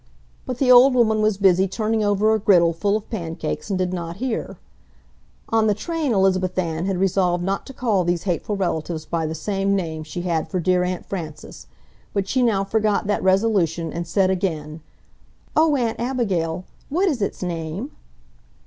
But the old woman was busy turning over a griddle full of pancakes and did not hear. On the train Elizabeth Ann had resolved not to call these hateful relatives by the same name she had for dear Aunt Frances, but she now forgot that resolution and said, again, "Oh, Aunt Abigail, what is its name?"